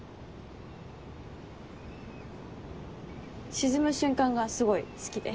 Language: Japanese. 沈む瞬間がすごい好きで。